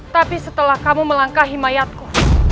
tapi setelah kamu melangkahi mayatku